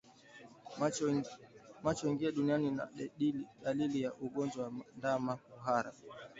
Macho kuingia ndani ni dalili ya ugonjwa wa ndama kuhara